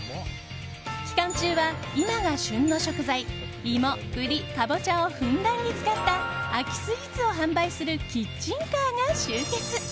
期間中は、今が旬の食材芋、栗、カボチャをふんだんに使った秋スイーツを販売するキッチンカーが集結！